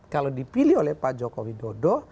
kalau dipilih oleh pak jokowi dodo